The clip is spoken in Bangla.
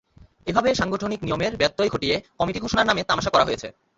এভাবে সাংগঠনিক নিয়মের ব্যত্যয় ঘটিয়ে কমিটি ঘোষণার নামে তামাশা করা হয়েছে।